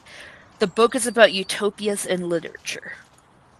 The book is about utopias in literature.